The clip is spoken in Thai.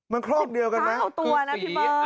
ร้องเรากันไหม๑๙ตัวนะพี่เบิร์้งของเธอ